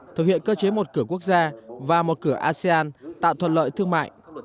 thực hiện cơ chế một cửa quốc gia và một cửa asean tạo thuận lợi thương mại